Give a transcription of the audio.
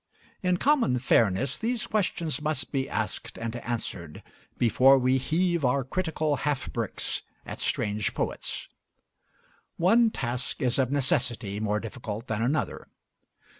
In common fairness these questions must be asked and answered, before we heave our critical half bricks at strange poets. One task is of necessity more difficult than another.